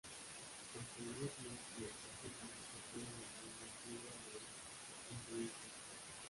El jainismo y el sijismo surgieron en la India antigua del hinduismo.